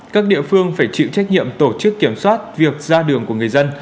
các địa phương phải chịu trách nhiệm tổ chức kiểm soát việc ra đường của người dân